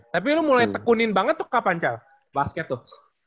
tapi lu mulai tekunin banget tuh kapan ca basket tuh